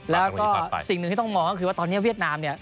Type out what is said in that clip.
แล้วก็สิ่งหนึ่งที่ต้องมองก็คือว่าตอนนี้เวียดนามเนี่ย